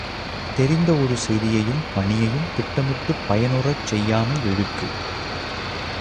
தெரிந்த ஒரு செய்தியையும் பணியையும் திட்டமிட்டுப் பயனுறச் செய்யாமை இழுக்கு.